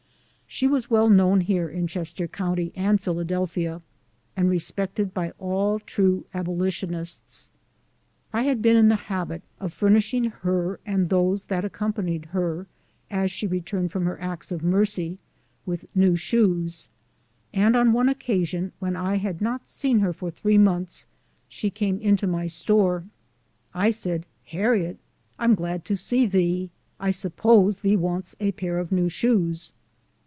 She was well known here v in Chester County and Philadelphia, and respected by all true abolitionists. I had been in the habit of furnish ing her and those that accompanied her, as she re turned from her acts of mercy, with new shoes; and on one occasion when I had not seen her for three months, she came into my store. I said, " Harriet, I am glad to see thee ! I suppose thee wants a pair of new shoes."